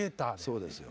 そうですよ。